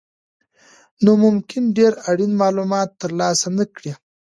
نو ممکن ډېر اړین مالومات ترلاسه نه کړئ.